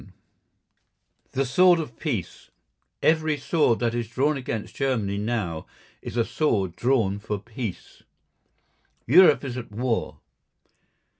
II THE SWORD OF PEACE "EVERY SWORD THAT IS DRAWN AGAINST GERMANY NOW IS A SWORD DRAWN FOR PEACE" Europe is at war!